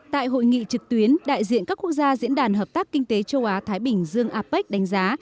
tại hội nghị trực tuyến đại diện các quốc gia diễn đàn hợp tác kinh tế châu á thái bình dương apec đánh giá